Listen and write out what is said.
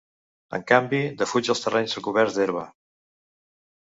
En canvi, defuig els terrenys recoberts d'herba.